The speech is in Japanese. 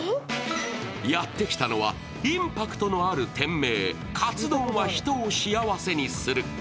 やってきたのは、インパクトのある店名、＃カツ丼は人を幸せにする。